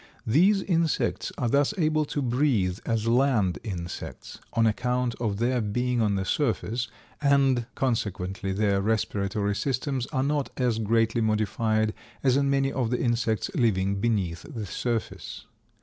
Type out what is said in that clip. These insects are thus able to breathe as land insects, on account of their being on the surface, and consequently their respiratory systems are not as greatly modified as in many of the insects living beneath the surface.